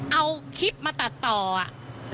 เอาคลิปมาตัดต่ออะ